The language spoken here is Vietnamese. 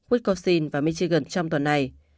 wisconsin và michigan trong tuần này